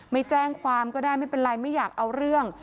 ไม่แจ้งความก็ได้ไม่เป็นไรไม่อยากเอาเรื่อง